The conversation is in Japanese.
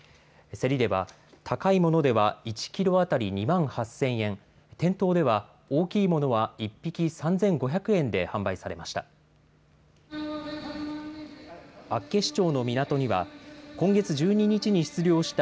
競りでは高いものでは１キロ当たり２万８０００円、店頭では大きいものは１匹３５００円で販売されました。